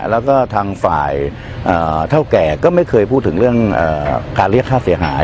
แล้วก็ทางฝ่ายเท่าแก่ก็ไม่เคยพูดถึงเรื่องการเรียกค่าเสียหาย